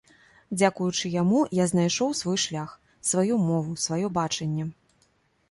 Дзякуючы яму я знайшоў свой шлях, сваю мову, сваё бачанне.